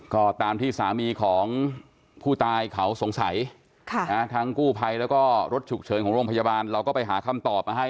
ก็ตามที่สามีของผู้ตายเขาสงสัยทั้งกู้ภัยแล้วก็รถฉุกเฉินของโรงพยาบาลเราก็ไปหาคำตอบมาให้